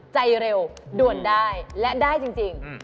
ใจเร็วด่วนได้และได้จริง